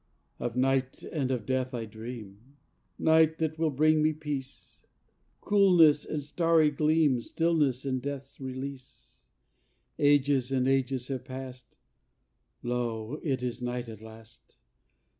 ... Of night and of death I dream; Night that will bring me peace, Coolness and starry gleam, Stillness and death's release: Ages and ages have passed, Lo! it is night at last.